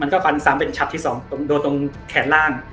มันก็ฟันซ้ำเป็นฉับที่สองโดนตรงแขนล่าง